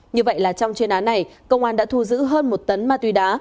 như vậy là trong chuyên án này công an đã thu giữ hơn một tấn ma túy đá